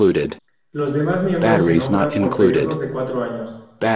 Los demás miembros se nombran por periodos de cuatro años.